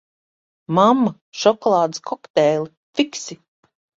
Mamma, šokolādes kokteili, fiksi!